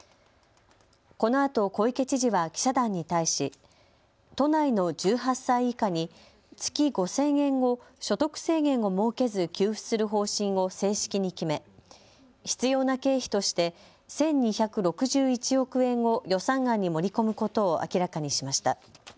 このあと小池知事は記者団に対し都内の１８歳以下に月５０００円を所得制限を設けず給付する方針を正式に決め必要な経費として１２６１億円を予算案に盛り込むことを明らかにしました。